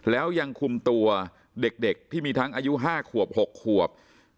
แล้วยังคุมตัวเด็กที่มีทั้งอายุ๕ขวบ๖ขวบ